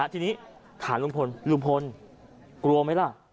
ทีนี้ถามลุงพลลุงพลกลัวไหมล่ะ